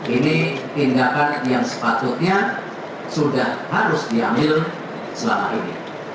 ini tindakan yang sepatutnya sudah harus diambil selama ini